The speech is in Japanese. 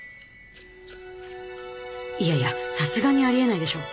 いやいやさすがにありえないでしょ。